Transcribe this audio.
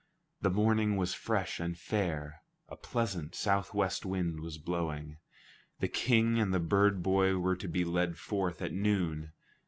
The morning was fresh and fair; a pleasant southwest wind was blowing. The King and the bird boy were to be led forth at noon.